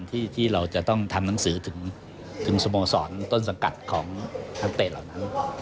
ที่เราจะต้องทำหนังสือถึงสโมสรต้นสังกัดของนักเตะเหล่านั้น